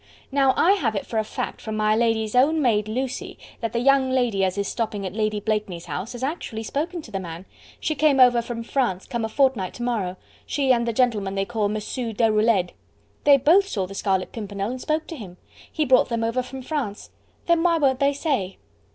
Now I have it for a fact from my lady's own maid Lucy, that the young lady as is stopping at Lady Blakeney's house has actually spoken to the man. She came over from France, come a fortnight to morrow; she and the gentleman they call Mossoo Deroulede. They both saw the Scarlet Pimpernel and spoke to him. He brought them over from France. Then why won't they say?"